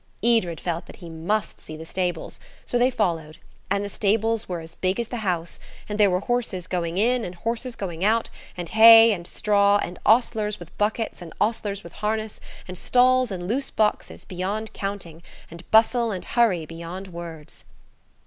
Edred felt that he must see the stables, so they followed, and the stables were as big as the house, and there were horses going in and horses going out, and hay and straw, and ostlers with buckets and ost1ers with harness, and stalls and loose boxes beyond counting, and bustle and hurry beyond words.